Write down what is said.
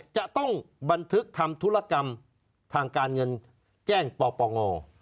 จะต้องบันทึกทำธุรกรรมทางการเงินแจ้งปปง